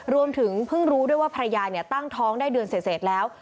รวมถึงเพิ่งรู้ด้วยว่าภรรยาตั้งท้องได้เดือนเสร็จแล้ว